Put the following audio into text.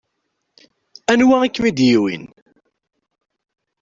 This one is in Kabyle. Anwa i kem-id-iwwin?